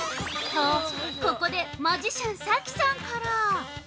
◆と、ここでマジシャンＳＡＫＩさんから。